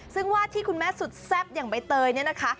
ซึ่งวาดที่คุณแม่สุดแซ่บอย่างใบเตยเนี่ยนะคะ